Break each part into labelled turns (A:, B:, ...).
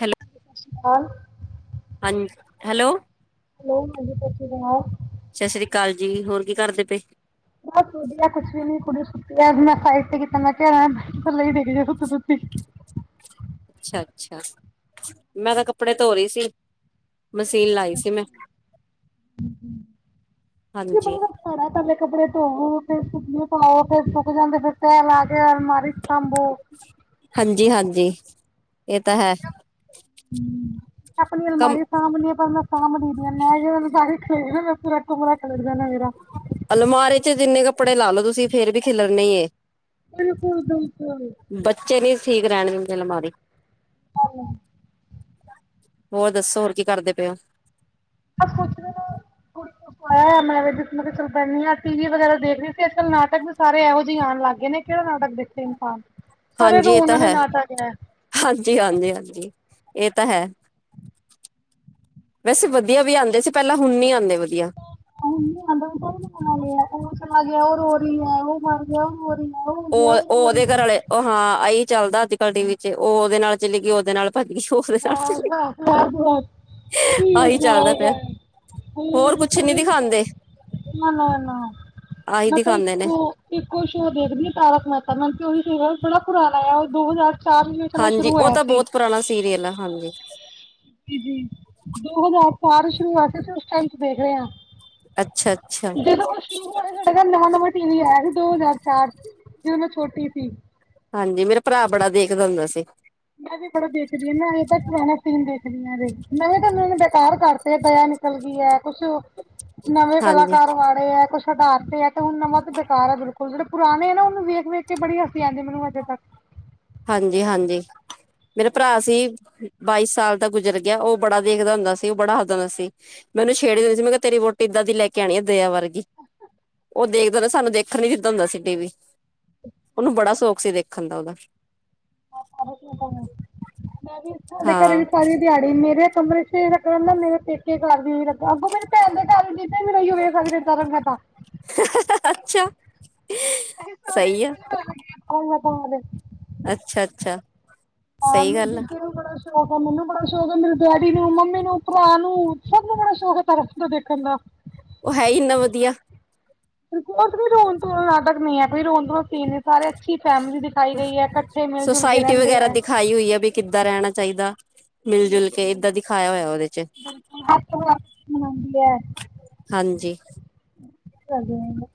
A: Hello,
B: [unintelligible]
A: ਹਾਂਜ, hello.
B: Hello, ਹਾਂਜੀ, ਸਤਿ ਸ਼੍ਰੀ ਅਕਾਲ।
A: ਸਤਿ ਸ੍ਰੀ ਅਕਾਲ ਜੀ, ਹੋਰ ਕੀ ਕਰਦੇ ਪਏ?
B: ਬਤ ਵਧੀਆ ਕੁਛ ਵੀ ਨੀ, ਕੁੜੀ ਸੁੱਤੀ ਐ, ਮੈਂ ਸਾਈਡ ਤੇ ਕੀਤਾ, ਮੈਂ ਕਹਿਆ ਐ ਥੱਲੇ ਈ ਡਿਗ [unintelligible]
A: ਅੱਛਾ-ਅੱਛਾ, ਮੈਂ ਤਾਂ ਕੱਪੜੇ ਤੋ ਰਹੀ ਸੀ। ਮਸੀਨ ਲਾਈ ਸੀ ਮੈਂ, ਹਾਂਜੀ।
B: ਪਹਲੇ ਤਾ ਕੱਪੜੇ ਤੋਵੋ ਫੇਰ ਸੁੱਕਨੇ ਪਾਓ, ਫੇਰ ਸੁੱਕ ਜਾਂਦੇ ਫੇਰ ਤੈਹ ਲਾ ਕੇ ਅਲਮਾਰੀ ਵੁਈ ਸਮ ਬੋ
A: ਹਾਂਜੀ ਹਾਂਜੀ ਇਹ ਤਾਂ ਹੈ।
B: ਹੂੰ ਆਪਣੀ
A: ਕੰਮ
B: ਅਲਮਾਰੀ ਸਾਂਭਣੀ ਆ ਪਰ ਮੈਂ ਸਾਂਭਦੀ ਨੀ ਆ ਮੈਂ ਕਿਆ [unintelligible] ਖਲੇਰ ਦੇ ਨੇ ਪੂਰਾ ਕਮਰਾ ਖਿਲਰ ਜਾਣਾ ਐ ਮੇਰਾ
A: ਅਲਮਾਰੇ ਚ ਜਿੰਨੇ ਕੱਪੜੇ ਲਾ ਲੋੋ ਤੁਸੀਂ ਫੇਰ ਵੀ ਖਿਲਰਣੇ ਈ ਨੇ।
B: ਬਿਲਕੁਲ-ਬਿਲਕੁਲ
A: ਬੱਚੇ ਨੀ ਠੀਕ ਰਹਿਣ ਦਿੰਦੇ ਅਲਮਾਰੀ।
B: [inaudible]
A: ਹੋਰ ਦੱਸੋ ਹੋਰ ਕੀ ਕਰਦੇ ਪਏ ਓ?
B: ਬਸ ਕੁਛ ਵੀ ਨੀ ਕੁੜੀ ਨੂੰ
A: [inaudible]
B: ਸਵਾਇਆ ਮੈਂ ਜੈਂ ਚੱਲ ਪੈਂਨੀ ਆ ਟੀ ਵੀ ਵਗੈਰਾ ਦੇਖ ਰਹੀ ਸੀ ਅੱਜ-ਕੱਲ ਨਾਟਕ ਵੀ ਸਾਰੇ ਇਹੋ ਜਿਹੇ ਆਉਣ ਲਗ ਗਏ ਨੇ ਕਿਹੜਾ ਨਾਟਕ ਦੇਖਾਂ? ਸਿਮ ਪਾਨ
A: ਹਾਂਜੀ ਏ ਤਾਂ ਹੈ ਹਾਂਜੀ, ਹਾਂਜੀ, ਹਾਂਜੀ ਏ ਤਾਂ ਹੈ। ਵੈਸੇ ਵਧੀਆ ਵੀ ਆਦੇ ਸੀ ਪਹਿਲਾਂ ਹੁਣ ਨੀ ਆਦੇ ਵਧੀਆ।
B: [unintelligible] ਓ ਚਲਾ ਗਿਆ, ਓ ਰੋ ਰੀ ਐ, ਓ ਮਰ ਗਿਆ ਰੋ ਰਹੀ ਏ।
A: ਓ ਓ ਉਹਦੇ ਘਰ ਵਾਲੇ ਓ ਹਾਂ ਆਈ ਚੱਲਦਾ ਅੱਜ ਕੱਲ੍ਹ ਟੀ ਵੀ ਚ ਓ ਓਦੇ ਨਾਲ ਚਲੀ ਗਈ ਓਦੇ ਨਾਲ ਭੱਜਗੀ।
B: [inaudible] [unintelligible] ਨਾ
A: ਆਹੀ ਚੱਲਦਾ ਪਿਆ ਹੋਰ ਕੁਛ ਨੀ ਦਿਖਾਉਂਦੇ
B: ਨਾ
A: ਆਹੀ
B: ਮ ਤਾਂ
A: ਦਿਖਾਉਂਦੇ ਨੇ
B: ਇੱਕੋ ਇੱਕੋ ਸ਼ੋਅ ਦੇਖਦੀ ਆ ਤਾਰਕ ਮੈਤਾ ਮਨੂੰ ਤੇ ਓਹੀ ਸੀਰੀਅਲ ਬੜਾ ਪੁਰਾਣਾ ਆ ਉਹ ਦੋ ਹਜ਼ਾਰ ਚਾਰ ਮੀਨੇ ਪਹਿਲਾਂ ਸ਼ੁਰੂ
A: ਹਾਂਜੀ ਉਹ
B: ਹੋਇਆ
A: ਤਾਂ
B: ਸੀ।
A: ਬਹੁਤ ਪੁਰਾਣਾ ਸੀਰੀਅਲ ਆ ਹਾਂਜੀ
B: ਦੋ ਹਜਾਰ ਚਾਰ ਚ ਸ਼ੁਰੂ ਹੋਇਆ ਸੀ ਅਸੀ ਉਸ ਟਾਈਮ ਚ ਦੇਖ ਰਹੇ ਆ।
A: ਅੱਛਾ-ਅੱਛਾ
B: ਜਦੋਂ ਓ ਸ਼ੁਰੂ ਹੋਇਆ ਸੀ ਸਾਡੇ ਘਰ ਨਵਾਂ-ਨਵਾਂ ਟੀ ਵੀ ਆਇਆ ਸੀ ਦੋ ਹਜ਼ਾਰ ਚਾਰ ਚ ਜਦੋਂ ਮੈਂ ਛੋਟੀ ਸੀ।
A: ਹਾਂਜੀ ਮੇਰਾ ਭਰਾ ਬੜਾ ਦੇਖਦਾ ਹੁੰਦਾ ਸੀ।
B: ਮੈਂ ਵੀ ਬੜਾ ਦੇਖਦੀ ਆ ਮੈ ਅਜੇ ਤਕ ਪੁਰਾਣਾ ਸੀਨ ਦੇਖਦੀ ਆ ਏਦੇ ਚ ਨਵੇਂ ਤਾਂ ਉਹ ਬੇਕਾਰ ਕਰਤ ਤੇ ਦਯਾ ਨਿਕਲ ਗੀ ਐ ਕੁਛ ਨਵੇਂ
A: ਹਾਂਜੀ
B: ਕਲਾਕਾਰ ਵਾੜੇ ਐ ਕੁਛ ਹਟਾ ਤੇ ਐ ਤੇ ਹੁਣ ਨਵਾਂ ਤੇ ਬੇਕਾਰ ਐ ਬਿਲਕੁਲ ਜਿਹੜੇ ਪੁਰਾਣੇ ਨੇ ਨਾ ਉਨੂੰ ਵੇਖ-ਵੇਖ ਬੜੀ ਹਸੀ ਆਉਦੀ ਮੈਨੂੰ ਅਜੇ ਤੱਕ।
A: ਹਾਂਜੀ ਹਾਂਜੀ ਮੇਰਾ ਭਰਾ ਸੀ ਬਾਈ ਸਾਲ ਦਾ ਗੁਜ਼ਰ ਗਿਆ। ਉਹ ਬੜਾ ਦੇਖਦਾ ਹੁੰਦਾ ਸੀ। ਉਹ ਬੜਾ ਹੱਸਦਾਂ ਹੁੰਦਾ ਸੀ। ਮੈ ਓਨੂੰ ਛੇੜ ਹੁੰਦੀ ਸੀ ਮੈਂ ਕਿਆ ਤੇਰੀ ਵਹੁਟੀ ਇੱਦਾਂ ਦੀ ਲੈ ਕੇ ਆਉਣੀ ਆ ਦਿਆ ਵਰਗੀ। ਓ ਦੇਖਦਾ ਹੁੰਦਾ ਸੀ ਸਾਨੂੰ ਦੇਖਣ ਨੀ ਦਿੰਦਾ ਹੁੰਦਾ ਸੀ ਟੀ ਵੀ। ਓਨੂੰ ਬੜਾ ਸ਼ੌਕ ਸੀ ਦੇਖਣ ਦਾ ਓਦਾ।
B: ਮੈਂ ਵੀ ਸਾਡੇ ਘਰੇ
A: ਹਾਂ
B: ਵੀ ਸਾਰੀ ਦਿਹਾੜੀ ਮੇਰੇ ਕਮਰੇ ਚ ਆਹੀ ਲਗਾ ਰਹਿੰਦਾ ਮੇਰੇ ਪੇਕੇ ਘਰ ਵੀ ਏਈਓ ਲਗਾ ਅੱਗੋਂ ਮੇਰੀ ਭੈਣ ਦੇ ਘਰ ਜੀਜਾ ਵੀ ਏਹੀਓ ਵੇਖ ਸਕਦੇ। [unintelligible]
A: ਅੱਛਾ ਸਈ ਆ।
B: [unintelligible]
A: ਅੱਛਾ ਅੱਛਾ
B: ਹਾਂ
A: ਸਹੀ
B: ਮੇਰੇ
A: ਗੱਲ ਆ
B: ਜੀਜੂ ਨੂੰ ਬੜਾ ਸ਼ ਸ਼ੌਕ ਆ ਮੈਨੂੰ ਬੜਾ ਸ਼ੌਕ ਐ। ਮੇਰੇ ਡੈਡੀ ਨੂੰ, ਮੰਮੀ ਨੂੰ, ਭਰਾ ਨੂੰ ਸਭ ਨੂੰ ਬੜਾ ਸ਼ੌਕ ਐ ਤਰਸ ਦਾ ਦੇਖਣ ਦਾ।
A: ਓ ਹੈ ਈ ਇੰਨਾ ਵਧੀਆ।
B: [unintelligible] ਰੋਣ ਧੋਣ ਦਾ ਨਾਟਕ ਨੀ ਐ ਕੋਈ ਰੋਣ ਦਾ ਸੀਨ ਸਾਰੇ ਅੱਛੀ ਫੈਮਿਲੀ ਦਿਖਾਈ ਗਈ ਏ ਇਕੱਠੇ ਮਿਲ-ਜੁਲ ਕੇ
A: ਸੁਸਾਇਟੀ
B: ਰਹਿੰਦੇ
A: ਵਗੈਰਾ
B: ਐ।
A: ਦਿਖਾਈ ਹੋਈ ਆ ਵੀ ਕਿੱਦਾਂ ਰਹਿਣਾ ਚਾਹੀਦਾ ਮਿਲ-ਜੁਲ ਕੇ ਏਦਾਂ ਦਿਖਾਇਆ ਹੋਇਆ ਓਦੇ ਚ।
B: [unintelligible] ਆਂਦੀ ਐ।
A: ਹਾਂਜੀ
B: ਘਰ ਦੇ ਅੰਦਰ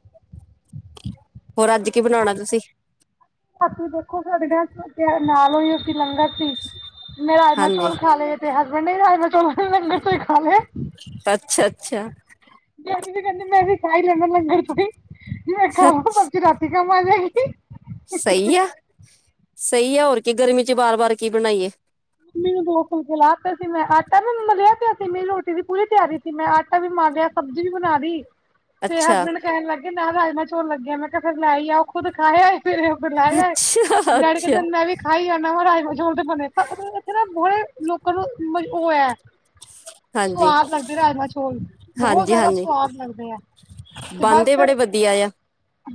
A: ਹੋਰ ਅਆੱਜ ਕੀ ਬਣਾਓਣਾ ਤੁਸੀਂ?
B: ਦੇਖੋ, ਸਾਡੇ ਘਾਰ ਜੇੜਾ, ਨਾਲ ਓਈ ਓ ਸੀ ਲੰਗਰ ਸੀ ਮੈਂ ਰਾਜਮਾਂ
A: ਹਾਂਜੀ
B: ਚੋਲ ਖਾ ਲੇ। ਤੇ ਹਸਬੈਂਡ ਨੇ ਵੀ ਰਾਜਮਾ ਚੋਲ ਲੰਗਰ ਚੋਂ ਈ ਖਾ ਲੇ।
A: ਅੱਛਾ-ਅੱਛਾ।
B: [inaudible] ਕੀ ਕੰਮ ਆ ਜਾਏਗੀ।
A: ਸਈ ਆ, ਸਈ ਆ ਹੋਰ ਕੀ ਗਰਮੀ ਚ ਬਾਰ ਬਾਰ ਕੀ ਬਣਾਈਏ।
B: ਮੰਮੀ ਨੂੰ ਦੋ ਫੁਲਕੇ ਲਾਤੇ ਸੀ ਮੈਂ ਆਟਾ ਵੀ ਮੇ ਮਲੇਆ ਤੇ ਮੇਰੀ ਰੋਟੀ ਦੀ ਪੂਰੀ ਤੇਆਰੀ ਤੇ ਮੈਂ ਆਟਾ ਵੀ ਮਾੱਲ ਲੇਆ ਸਬਜੀ ਵੀ ਬਨਾ ਲੀ। ਤੇ
A: ਅੱਛਾ
B: ਹਸਬੈਂਡ ਕੈਨ ਲੱਗੇ ਨਾਲ ਰਾਜਮਾ ਚੋਲ ਲੱਗੇ ਆ, ਮੈਂ ਕੇਯਾ, ਫੇਰ ਲੈ ਈ ਆਓ ਖੁੱਦ ਖਾ ਆਏ। ਫਿਰ ਏਹੋ ਬਨਾਏਆ ਏ,
A: ਅੱਛਾ
B: ਡੈਡੀ
A: ਅੱਛਾ
B: ਕੈਂਦੇ ਮੈਂ ਵੀ ਖਾਈ ਆਨਾ ਰਾਜਮਾ ਚੋਲ ਤੇ ਬਨੇ ਫੇਰ ਏਥੇ ਨਾ [unintelligible] ਲੋਕਾਂ ਨੂੰ, ਮ ਓ ਐ।
A: ਹਾਂਜੀ
B: ਸਵਾਦ ਲਾਗਦੇ ਰਾਜਮਾ, ਚੋਲ ਬਹੋਤ ਜਾਦਾ ਸਵਾਦ ਲਗਦੇ ਆ। ਤੇ
A: ਬਾਨ
B: ਬਸ
A: ਦੇ ਬੜੇ
B: ਫਿਰ
A: ਵਦਿਆ ਯਾ।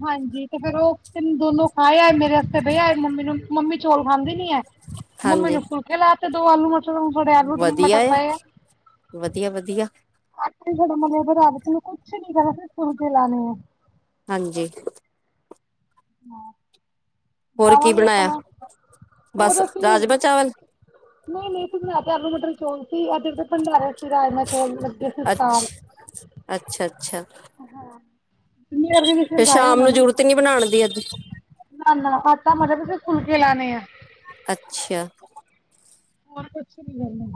B: ਹਾਂਜੀ, ਤੇ ਫੇਰ ਓ ਤਿਨ, ਦੋਨੋ ਖਾ ਆਏ ਮੇਰੇ ਵਾਸਤੇ ਬੇ ਆਏ, ਮੰਮੀ ਨੂੰ ਮੰਮੀ ਚੋਲ ਖਾਂਦੀ ਨੀ ਐ। ਮੰਮੀ
A: ਹਾਂਜੀ
B: ਨੂੰ ਫੁਲਕੇ ਲਾ ਤੇ ਦੋ ਆਲੂ ਨਾ ਦੂਪੈਰ ਨੂੰ ਤਾ ਆਲੂ ਮਟਰ ਪਏ ਆ।
A: ਵਧੀਆ ਵਧੀਆ
B: [unintelligible] ਕੁਛ ਨੀ ਕਰਨਾ ਸਿਰਫ ਫੁਲਕੇ ਲਾਨੇ ਆ।
A: ਹਾਂਜੀ। ਹੋਰ ਕੀ
B: ਆਵਾਂਗੇ
A: ਬਣਾਇਆ
B: ਅਪਨਾ
A: ਬਸ ਰਾਜਮਾਂ
B: [unintelligible]
A: ਚਾਵਲ
B: ਨਈ-ਨਈ [unintelligible] ਆਲੂ, ਮਟਰ, ਚੋਲ ਸੀ ਆਜ ਐਦਰ ਤਾ ਭੰਡਾਰਾ ਰਾਜਮਾ, ਚੋਲ ਲੱਗੇ ਸੀ ਸਟਾਲ,
A: ਅੱਛਾ ਅੱਛਾ ਅੱਛਾ
B: ਹਾਂ। [inaudible]
A: ਥੋਨੂੰ ਜਰੂਤ ਨੀ ਬਣਾਨ ਦੀ ਆੱਜ।
B: ਅਨ, ਆਟਾ ਮਲ [unintelligible] ਫੁਲਕੇ ਲਾਨੇ ਆ।
A: ਅੱਛਾ।
B: ਹੋਰ ਕੁਛ ਨੀ ਕਰਨਾ।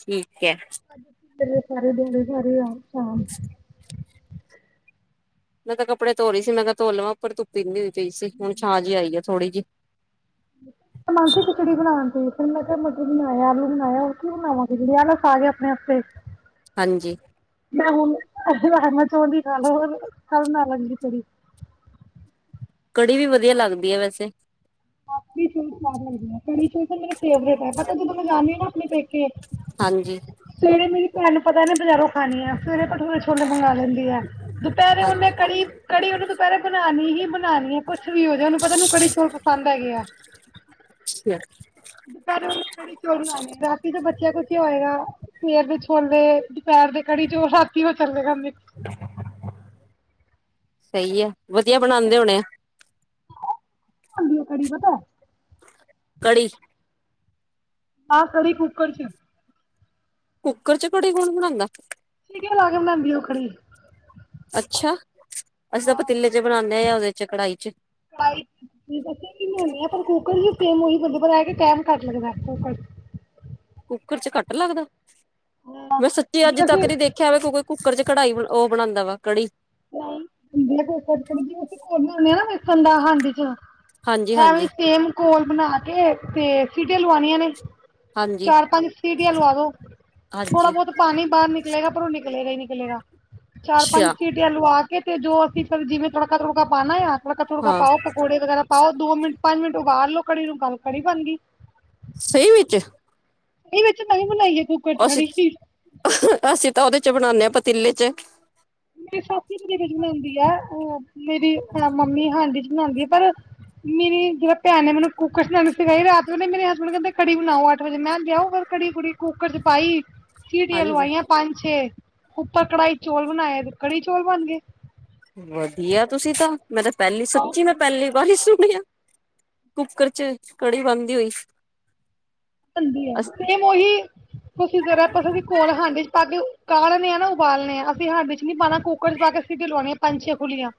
A: ਠੀਕ ਐ।
B: [inaudible]
A: ਮੈਂ ਤਾਂ ਕੱਪੜੇ ਧੋਰੀ ਸੀ ਮੈਂ ਕਾ ਧੋ ਲਵਾਂ ਉੱਪਰ ਧੁੱਪ ਇਨੀ ਹੋਈ ਪਈ ਸੀ, ਹੁਣ ਛਾਂ ਜੀ ਆਈ ਆ ਥੋੜੀ ਜੀ। [inaudible]
B: ਮਾਨ ਸੀ ਖਿਚੜੀ ਬਨਾਣ ਤੇ, ਫਿਰ ਮੈਂ ਕੇਆ ਮਟਰ ਬਨਾਏ ਆ, ਆਲੂ ਬਨਾਏ ਆ ਓ ਕੀਉ ਬਨਾਵਾਂ ਖਿਚੜੀ ਆਲੇ ਖਾਜਾ ਅਪਣੇ ਆਸਤੇ।
A: ਹਾਂਜੀ।
B: ਮੈ ਹੁਨ, ਆੱਜ ਰਾਜਮਾ ਚੋਲ ਈ ਖਾਲੋ ਓਰ, ਕਾੱਲ ਬਨਾ ਲਾਂਗੇ ਖਿਚੜੀ।
A: ਕੜੀ ਵੀ ਵਦੀਆ ਲਾਗਦੀ ਆ ਵੈਸੇ।
B: ਹਾਂਜੀ, [unintelligible] ਸੁ ਸਵਾਦ ਲਗਦੀ ਐ, ਕੜੀ, ਚੋਲ ਤਾ ਮੇਰੇ ਫੇਵਰੇਟ ਐ, ਪਤਾ ਜਦੋਂ ਮੈਂ ਜਾਂਨੀ ਆ ਨਾ ਆਪਨੇ ਪੇਕੇ
A: ਹਾਂਜੀ।
B: ਸਵੇਰੇ ਮੇਰੀ ਭੈਨ ਨੂੰ ਪਤਾ ਐਨੇ ਬਜਾਰੋਂ ਖਾਨੀ ਆ, ਫੇਰ ਏ ਭਠੂਰੇ ਛ ਤੋਲ ਬਣਾ ਲੈਂਦੀ ਐ, ਦੁਪੈਰੇ ਓਨੇ
A: ਹਾਂਜੀ
B: ਕੜੀ ਕੜੀ ਓਨੇ ਦੂਪੈਰੇ ਬਨਾਨੀ ਹੀ ਬਨਾਨੀ ਆ, ਕੁੱਛ ਵੀ ਹੋਜੇ ਓਨੂੰ ਪਤਾ ਐਨੂੰ ਕੜੀ ਚੋਲ ਪਸੰਦ ਹੈਗੇ ਆ।
A: [unintelligible]
B: ਦੁਪੈਰੇ ਓਨੇ ਕੜੀ-ਚੋਲ ਬਨਾ ਨੇ ਆ, ਰਾਤੀ ਤੇ ਬਚੇਆ ਕਚੇਆ ਹੋਏਆ ਸਵੇਰ ਦੇ ਛੋਲੇ, ਦੁਪੈਰ ਦੇ ਕੜੀ-ਚੋਲ ਹਾਰ [unintelligible]
A: ਸਈ ਏ, ਵਦੀਆ ਬਣਾਂਦੇ ਹੋਣੇ ਆ।
B: ਆਲੂ ਓ ਕੜੀ ਪਤੈ।
A: ਕੜੀ।
B: ਨਾ ਕੜੀ ਕੁਕੱਰ ਚ।
A: ਕੁੱਕਰ ਚ, ਕੜੀ ਕੋਣ ਬਣਾਂਦਾ?
B: ਸੀਟੀਆਂ ਲਾਕੇ ਬਣਾਂਦੀ ਆ ਓ ਕੜੀ।
A: ਅੱਛਾ, ਅਸੀਂ ਤਾਂ ਪਤੀਲੇ ਚ ਬਣਾਨੇ ਆ ਯਾ ਓਦੇ ਚ, ਕੜਾਈ ਚ।
B: ਬਾਈਕ ਤੁਸੀਂ ਦੱਸਿਆ ਕੁੱਕਰ ਸੇਮ ਉਹੀ ਬੰਦੇ ਤੋਂ ਲੈ ਕੇ ਕਾਇਮ ਕਰ ਸਕਦਾ ਕੁੱਕਰ
A: ਕੁੱਕਰ ਚ ਕੱਟ ਲੱਗਦਾ
B: ਹਾਂ
A: ਮੈਂ ਸੱਚੀ ਅੱਜ
B: ਜੇ
A: ਤੱਕ
B: ਅਸੀਂ
A: ਨਹੀਂ ਦੇਖੀ ਐਵੇਂ ਕੋਈ ਕੁੱਕਰ ਚ ਕੜਾਈ ਉਹ ਬਣਾਦਾ ਵਾ ਕੜੀ
B: ਨਹੀਂ [unintelligible] ਕੋਲ ਬਣਾਉਂਦੇ ਹਾਂ ਨਾ ਵੇਸਨ ਦਾ ਹਾਂਡੀ ਚ
A: ਹਾਂਜੀ,
B: ਐਵੇਂ
A: ਹਾਂਜੀ,
B: ਤੇਲ ਕੋਲ ਬਣਾ ਕੇ ਤੇ ਸੀਟੇ ਲਵਾਉਣੀਆਂ ਨੇ
A: ਹਾਂਜੀ,
B: ਚਾਰ ਪੰਜ ਸੀਟੀਆਂ ਲਵਾ ਦੋ ਥੋੜਾ
A: ਹਾਂਜੀ
B: ਬਹੁਤ ਪਾਣੀ ਬਾਹਰ ਨਿਕਲੇਗਾ ਪਰ ਉਹ ਨਿਕਲੇਗਾ ਹੀ ਨਿਕਲੇਗਾ ਚਾਰ ਪੰਜ
A: ਅੱਛਾ
B: ਸਿਟੀ ਆਲੂ ਆ ਕੇ ਤੇ ਜੋ ਅਸੀਂ ਫਿਰ ਜਿਵੇਂ ਤੜਕਾ ਤੜਕਾ ਪਾਉਣਾ ਆ ਤੜਕਾ ਤੁੜਕਾ
A: ਹਾਂ
B: ਪਾਓ ਪਕੌੜੇ ਵਗੈਰਾ ਆਓ ਦੋ ਮਿੰਟ, ਪੰਜ ਮਿੰਟ ਉਬਾਲ ਲੋ ਕੜੀ ਨੂੰ ਗੱਲ ਕੜੀ ਬਾਨ ਗੀ।
A: ਸਹੀ ਵਿੱਚ
B: ਇਹ ਵਿੱਚ ਨਵੀਂ ਬਣਾਈਏ
A: ਅਸੀਂ ਅਸੀਂ ਤਾਂ ਉਹਦੇ ਚ ਬਣਾਉਦੇ ਹਾਂ ਪਤੀਲੇ ਚ
B: ਮੇਰੀ ਸਾਥੀ ਮੇਰੇ ਵਿੱਚ ਬਣਾਉਂਦੀ ਆ ਮੇਰੀ ਮੰਮੀ ਹਾਂਡੀ ਚ ਬਣਾਉਂਦੀ ਆ ਪਰ ਮੇਰੀ ਜਿਹੜਾ ਭੈਣ ਨੇ ਮੈਨੂੰ ਕੁੱਕਰ ਸਣਾਣੀ ਸਿਖਾਈ ਰਾਤ ਨੂੰ ਮੇਰੇ ਹਸਬੈਂਡ ਕਹਿੰਦੇ ਘੜੀ ਬਣਾਓ ਅੱਠ ਵਜੇ ਮੈਂ ਲਿਆਓ ਕੜੀ ਕੁੜੀ ਕੁੱਕਰ ਚ ਪਾਈ ਸਟੀਆਂ
A: ਹਾਂਜੀ।
B: ਲਵਾਈਆਂ ਪੰਜ ਛੇ ਉੱਪਰ ਕੜਾਈ ਚੌਲ ਬਣਾਏ ਕੜੀ ਚੌਲ ਬਣ ਗਏ
A: ਵਧੀਆ ਤੁਸੀਂ ਤਾਂ ਮੈਂ ਤਾਂ ਪਹਿਲੀ ਸੱਚੀ ਮੈਂ ਪਹਿਲੀ ਵਾਰੀ ਹੀ ਸੁਣਿਆ ਕੁੱਕਰ ਚ ਕੜੀ ਬਣਦੀ ਹੋਈ
B: ਬੰਦੀ ਹੈ ਸੇਮ ਉਹੀ ਤੁਸੀਂ ਤਰ੍ਹਾਂ ਕਦੋਂ ਵੀ ਕੋਲ ਹਾਂਡੇ ਚ ਪਾ ਕੇ ਕਾਲਣੇੇ ਆ ਨਾ ਉਬਾਲਣੇ ਆ ਅਸੀਂ ਹਾਂਡੇ ਚ ਨੀ ਪਾਉਣਾ ਕੁਕਰ ਚ ਪਾ ਕੇ ਸੀਟੀਆ ਲਵਾਉਣੀਆਂ ਪੰਜ ਛੇ ਫੁੱਲੀਆਂ।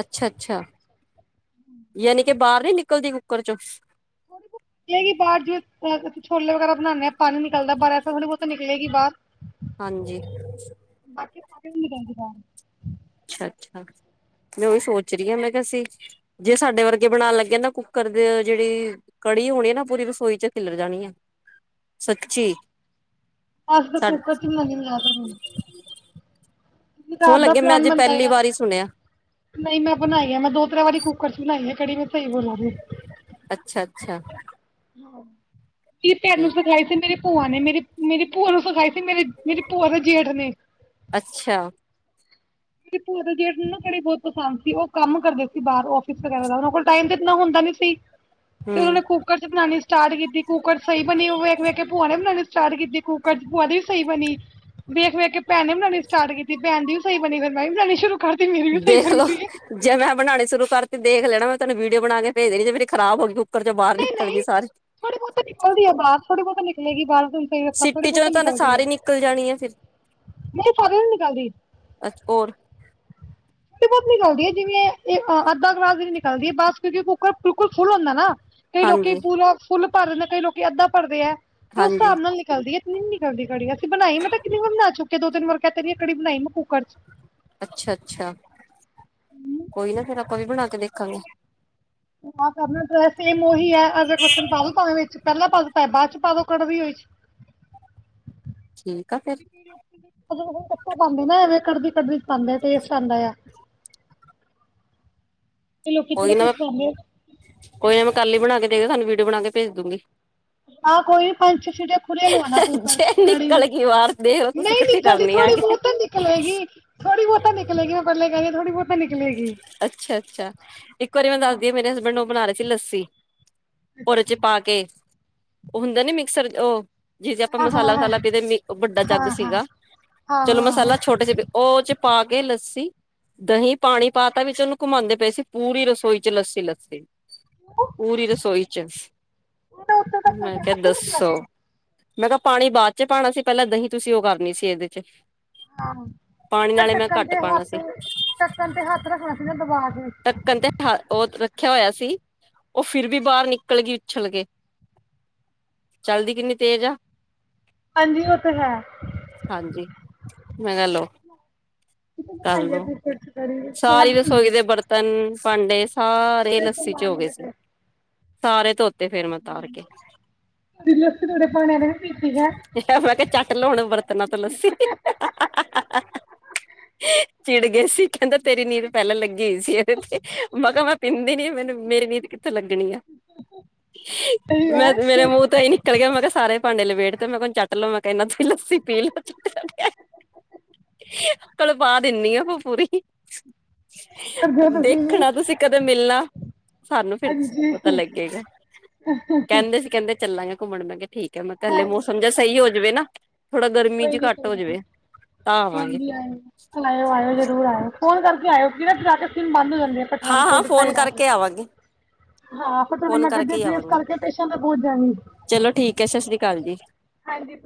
A: ਅੱਛਾ -ਅੱਛਾ ਯਾਨੀ ਕਿ ਬਾਹਰ ਨੀ ਨਿਕਲਦੀ ਨੌਕਰ ਚੋਂ [inaudible]
B: ਦੇਗੀ ਬਾਵਜੂਦ ਜੋ ਛੋਲੇ ਵਗੈਰਾ ਬਣਾਉਂਦੇ ਹਾਂ ਪਾਣੀ ਨਿਕਲਦਾ ਪਰ ਐਸਾ ਥੋੜਾ ਬਹੁਤ ਨਿਕਲੇਗੀ ਬਾਹਰ!
A: ਹਾਂਜੀ।
B: [unintelligible]
A: ਅੱਛਾ ਅੱਛਾ ਮੈਂ ਉਹੀ ਸੋਚ ਰਹੀ ਹਾਂ ਮੈਂ ਕਿਹਾ ਸੀ। ਜੇ ਸਾਡੇ ਵਰਗੇ ਬਣਾਉਣ ਲੱਗੇ ਨਾ ਕੁੱਕਰ ਦੇ ਜਿਹੜੀ ਕੜੀ ਹੋਣੀ ਆ ਨਾ ਪੂਰੀ ਰਸੋਈ ਚ ਖਿਲਰ ਜਾਣੀ ਆ ਸੱਚੀ
B: ਅੱਧ
A: ਸਾ
B: ਕੁੱਕਰ ਚ [unintelligible] ਕੀ
A: ਸੋਹਣ
B: ਰਾਤ ਦਾ
A: ਲੱਗੇ ਮੈਂ
B: ਪਲੈਨ
A: ਅੱਜ
B: ਬੰਦਾ
A: ਪਹਿਲੀ ਵਾਰ ਹੀ ਸੁਣਿਆ
B: ਨਹੀਂ ਮੈਂ ਬਣਾਈ ਹੈ ਮੈਂ ਦੋ ਤਰਾਂ ਵਾਰੀ ਕੁੱਕਰ ਚ ਬਣਾਈ ਹੈ ਕੜੀ ਨੂੰ ਭੇਦ ਬਣਾ ਕੇ
A: ਅੱਛਾ- ਅੱਛਾ।
B: ਕੀ ਤੁਹਾਨੂੰ
A: ਠੀਕ
B: ਸਿਖਲਾਈ ਤੇ ਮੇਰੇ ਭੂਆ ਨੇ ਮੇਰੀ ਮੇਰੀ ਭੂਆ ਨੂੰ ਸਿਖਾਈ ਸੀ ਮੇਰੇ ਮੇਰੀ ਭੂਆ ਦੇ ਜੇਠ ਨੇ
A: ਅੱਛਾ।
B: ਮੇਰੀ ਭੂਆ ਦੇ ਜੇਠ ਕੜੀ ਬਹੁਤ ਪਸੰਦ ਸੀ ਉਹ ਕੰਮ ਕਰਦੇ ਸੀ ਬਾਹਰ ਆਫਿਸ ਵਗੈਰਾ ਦਾ ਉਹਨਾਂ ਕੋਲ ਟਾਈਮ ਤੇ ਇਨਾ ਹੁੰਦਾ ਨੀ ਸੀ। ਤੇ ਉਹਨਾਂ
A: ਹਮ
B: ਨੇ ਕੁੱਕਰ ਚ ਬਣਾਉਣੀ ਸਟਾਰਟ ਕੀਤੀ ਕੁੱਕਰ ਸਹੀ ਬਣੀ ਵੇਖ ਵੇਖ ਕੇ ਭੂਆ ਨੇ ਬਣਾਉਣੀ ਸਟਾਰਟ ਕੀਤੀ ਕੁੱਕਰ ਚ ਭੂਆ ਦੀ ਵੀ ਸਹੀ ਬਣੀ ਵੇਖ ਵੇਖ ਕੇ ਭੈਣ ਨੇ ਬਣਾਉਣੀ ਸਟਾਰਟ ਕੀਤੀ ਭੈਣ ਦੀ ਵੀ ਸਹੀ ਮੈਂ ਵੀ ਬਣਾਣੀ ਸ਼ੁਰੂ ਕਰਤੀ ਮੇਰੀ ਵੀ ਸਹੀ ਬਣ
A: ਦੇਖਲੋ
B: ਗਈ
A: ਜੇ ਮੈਂ ਬਣਾਉਣੇ ਸ਼ੁਰੂ ਕਰਤੀ ਦੇਖ ਲੈਣਾ ਮੈਂ ਤੁਹਾਨੂੰ ਵੀਡੀਓ ਬਣਾ ਕੇ ਭੇਜ ਦੇਣੀ ਜੇ ਮੇਰੀ ਖਰਾਬ ਹੋ ਗਈ ਉਪਰ ਚੋਂ ਬਾਹਰ ਨਿਕਲ ਗਏ ਸਾਰੇ
B: ਥੋੜੇ ਬਹੁਤ ਨਲਦੀ ਆ ਬਾਹਰ ਥੋੜੀ ਬਹੁਤ ਨਿਕਲੇਗੀ ਬਾਹਰ ਸਸਰੀ
A: ਸਿੱਟੀ
B: ਬਹੁਤ
A: ਚੋਂ
B: ਹੀ
A: ਤੁਹਾਨੂੰ
B: ਨਿਕਲਦੀ ਹੈ
A: ਸਾਰੀ ਨਿਕਲ ਜਾਣੀ ਹੈ ਫਿਰ
B: ਨਹੀਂ ਸਾਡੇ ਨਿਕਲਦੀ
A: ਐਚ ਕੋਰ
B: ਥੋੜੀ ਬਹੁਤ ਨਿਕਲਦੀ ਹੈ ਜਿਵੇਂ ਅੱਧਾ ਗਲਾਸ ਦੀ ਨਿਕਲਦੀ ਬਸ ਕਿਉਂਕਿ ਕੁੱਕਰ ਬਿਲਕੁਲ ਫੁੱਲ ਹੁੰਦਾ ਨਾ ਕਈ ਲੋਕੀ
A: ਹਾਂਜੀ
B: ਪੂਰਾ ਫੁੱਲ ਭਰਦੇ ਨੇ ਕਈ ਲੋਕੀ ਅੱਧਾ ਭਰਦੇ ਆ ਤੇ ਉਸ
A: ਹਾਂਜੀ
B: ਹਿਸਾਬ ਨਾਲ ਚਲਦੀ ਸਿਮ ਨੀ ਕਰਦੀ ਕੜੀ ਅਸੀਂ ਬਣਾਈ ਮੈਂ ਕਿੰਨੀ ਵਾਰ ਬਣਾ ਚੁੱਕਿਆ ਦੋ ਤਿੰਨ ਕਹਿ ਤੇ ਆ ਕੜੀ ਬਣਾਈ ਮੈਂ ਕੁਕਰ ਚ
A: ਅੱਛਾ ਅੱਛਾ ਕੋਈ ਨਾ ਫਿਰ ਆਪਾਂ ਵੀ ਬਣਾ ਕੇ ਦੇਖਾਂਗੇ
B: ਹਾਂ ਕਰਨਾ ਤਾਂ ਹੈ ਸੇਮ ਹੋਈ ਹੈ ਅੱਧਾ ਪੋਸ਼ਨ ਪਾਵੇ ਵਿੱਚ ਪਹਿਲਾਂ ਪਾ ਦੋ ਬਾਅਦ ਚ ਪਾ ਦੋ ਕੜਵੀ ਹੋਈ ਚ
A: ਠੀਕ ਆ ਫਿਰ
B: [unintelligible] ਟੇਸਟ ਆਉਂਦਾ ਆ ਤੇ ਲੋਕੀ [unintelligible]
A: ਪੋਇਮ ਕੱਲ ਹੀ ਬਣਾ ਕੇ ਦੇਗੀ ਤੁਹਾਨੂੰ ਵੀਡੀਓ ਬਣਾ ਕੇ ਭੇਜ ਦੂਗੀ
B: ਆ ਕੋਈ ਨਹੀ ਪੰਜ ਛੇ ਸੀਟੀਆਂ ਖੁੱਲੀ ਲਆਣਾ ਕੁੱਕਰ
A: ਜੇ
B: ਕੜੀ ਨੂੰ
A: ਨਿਕਲ ਗਈ ਬਾਹਰ ਦੇਖ ਲੋ ਤੁਸੀਂ
B: ਨਹੀਂ
A: ਇਕੱਠੀ
B: ਨਿਕਲਦੀ
A: ਕਰਨੀ ਆ
B: ਥੋੜੀ
A: ਕੇ
B: ਬਹੁਤ ਨਿਕਲੇਗੀ ਥੋੜੀ ਬਹੁਤਾ ਨਿਕਲੇਗੀ ਉਹ ਪਹਿਲਾਂ ਕਹਿੰਦੇ ਥੋੜੀ ਬਹੁਤਾ ਨਿਕਲੇਗੀ
A: ਅੱਛਾ -ਅੱਛਾ। ਇੱਕ ਵਾਰੀ ਮੈਂ ਦੱਸਦੀ ਆ ਮੇਰੇ ਹਸਬੈਂਡ ਉਹ ਬਣਾ ਰਹੇ ਸੀ ਲੱਸੀ ਉਹਦੇ ਚ ਪਾ ਕੇ ਉਹ ਹੁੰਦਾ ਨੀ ਮਿਕਸਰ ਉਹ ਜੀ ਜਿਦੇ ਆਪਾਂ
B: ਹਾਂ
A: ਮਸਾਲਾ
B: ਹਾਂ
A: ਮਸਾਲਾ ਕਿਦੇ ਉਹ ਵੱਡਾ
B: ਹਾਂ
A: ਜੱਗ
B: ਹਾਂ ਹਾਂ
A: ਸੀਗਾ ਚਲੋ
B: ਆਹੋ ਆਹੋ
A: ਮਸਾਲਾ ਛੋਟੇ ਚ ਉਹ ਚ ਪਾ ਕੇ ਲੱਸੀ ਦਹੀਂ ਪਾਣੀ ਪਾ ਤਾਂ ਵਿੱਚ ਉਹਨੂੰ ਘੁਮਾਉਂਦੇ ਪਏ ਸੀ। ਪੂਰੀ ਰਸੋਈ ਚ ਲੱਸੀ -ਲੱਸੀ ਪੂਰੀ ਰਸੋਈ ਚ
B: ਉਹਨੇ ਉੱਤੇ ਢੱਕਣ
A: ਮੈਂ
B: ਤੇ
A: ਕਿਹਾ
B: ਹੱਥ ਰੱਖਿਆ
A: ਦੱਸੋ
B: ਸੀ
A: ਮੈਂ ਕਿਹਾ ਪਾਣੀ ਬਾਅਦ ਚ ਪਾਉਣਾ ਸੀ ਪਹਿਲਾਂ ਦਹੀਂ ਤੁਸੀਂ ਉਹਗਾਨੀ ਸੀ ਇਹਦੇ ਚ
B: ਹਾਂ
A: ਪਾਣੀ
B: ਪਰ
A: ਨਾਲੇ ਮੈਂ
B: ਢੱਕਣ
A: ਘੱਟ
B: ਤੇ
A: ਪਾਣਾ
B: ਹੱਥ
A: ਸੀ।
B: ਢੱਕਣ ਤੇ ਹੱਥ ਰੱਖਣਾ ਸੀ ਨਾ ਦਬਾ ਕੇ
A: ਢੱਕਣ ਤੇ ਉਹ ਰੱਖਿਆ ਹੋਇਆ ਸੀ ਉਹ ਫਿਰ ਵੀ ਬਾਹਰ ਨਿਕਲ ਗਈ ਉਛਲ ਕੇ ਚਲਦੀ ਕਿੰਨੀ ਤੇਜ਼ ਆ
B: ਹਾਂਜੀ ਉਹ ਤਾਂ ਹੈ
A: ਹਾਂਜੀ ਮੈਂ ਲਓ
B: ਕਿਤੇ ਬਣਾਈ ਹੈ
A: ਕਰਲੋ
B: ਗੁਰਪੁਰਬ ਕੜੀ
A: ਸਾਰੀ
B: ਸਵਾਦ ਬਣਦੀ
A: ਰਸੋਈ
B: ਹੈ
A: ਦੇ ਬਰਤਨ ਭਾਂਡੇ ਸਾਰੇ ਦਹੀਂ
B: ਤੇ
A: ਲੱਸੀ ਚ ਹੋ
B: ਕਮਾਨ
A: ਗਏ ਸੀ ਸਾਰੇ ਧੋਤੇ ਫੇਰ ਮੈਂ ਤਾਰ ਕੇ
B: [unintelligible] ਖਾਣੇ ਪੀਤੀ ਹੈ
A: ਮੈਂ ਕਿਹਾ ਚੱਟ ਲਓ ਬਰਤਨਾਂ ਤੇ ਲੱਸੀ ਚਿੜ ਗਏ ਸੀ ਕਹਿੰਦਾ ਤੇਰੀ ਨੀਂਦ ਪਹਿਲਾਂ ਲੱਗੀ ਹੋਈ ਸੀ ਇਹਦੇ ਤੇ ਮੈ ਕਿਹਾ ਪੀਂਦੀ ਨੀ ਮੈਨੂੰ ਮੇਰੀ ਨੀਂਦ ਕਿੱਥੇ ਲੱਗਣੀ ਆ
B: [inaudible] ਸਹੀ ਹੈ
A: ਮੈਂ ਮੇਰੇ ਮੂੰਹ ਤਾਈ ਨਹੀ ਨਿਕਲ ਗਿਆ ਮੈਂ ਕਿਹਾ ਸਾਰੇ ਭਾਂਡੇ ਲਭੇੜ ਤੇ ਮੈਂ ਕਿਹਾ ਚੱਟ ਲੋ ਮੈਂ ਕਿਹਾ ਇਹਨਾ ਤੁੂੰ ਲੱਸੀ ਪੀ ਲੋ ਚਟ -ਚਟ ਕੇ ਕਲਪਾ ਦਿੰਨੀ ਆ ਪੂਰੀ
B: ਕਰ ਦਿਓ ਤੁਸੀਂ ਵੀ
A: ਦੇਖਣਾ ਤੁਸੀਂ ਕਦੇ ਮਿਲਣਾ ਸਾਨੂੰ ਫਿਰ ਪਤਾ
B: ਹਾਂਜੀ
A: ਲੱਗੇਗਾ ਕਹਿੰਦੇ ਸੀ ਕਹਿੰਦੇ ਚੱਲਾਂਗੇ ਘੁੰਮਣ ਮੈਂ ਕੇ ਠੀਕ ਹੈ ਮੈਂ ਕੇ ਹਲੇ ਮੌਸਮ ਜਾ ਸਹੀ ਹੋ ਜਾਵੇ ਨਾ ਥੋੜਾ ਗਰਮੀ ਚ ਘੱਟ ਹੋ ਜਾਵੇ ਤਾਂ ਆਵਾਂਗੇ
B: ਹਾਂਜੀ ਆਇਓ ਆਇਓ -ਆਇਓ ਜ਼ਰੂਰ ਆਇਓ ਫੋਨ ਕਰਕੇ ਆਇਓ ਕੀ ਨਾ ਜਾ ਕੇ ਮਨ ਲੱਗਦਾ ਹਾਂ
A: ਹਾਂ
B: ਪਠਾਨਕੋਟ ਬਾਏ
A: ਫੋਨ
B: ਲਾ ਕੇ
A: ਕਰਕੇ ਆਵਾਂਗੇ
B: ਹਾਂ
A: ਫੋਨ ਕਰਕੇ
B: ਤੁਹਾਡੇ [unintelligible]
A: ਹੀ
B: ਟਰੇਸ
A: ਆਵਾਂਗੇ
B: ਕਰਕੇ ਟੇਸ਼ਣ ਤੇ ਪਹੁਚ ਜਾਂਦੀ
A: ਚਲੋ ਠੀਕ ਹੈ ਸਤਿ ਸ੍ਰੀ ਅਕਾਲ ਜੀ
B: ਹਾਂਜੀ